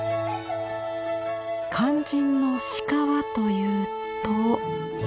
肝心の鹿はというと。